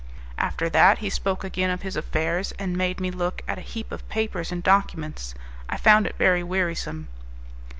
After that, he spoke again of his affairs, and made me look at a heap of papers and documents; I found it very wearisome.